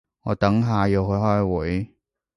我等下要去開會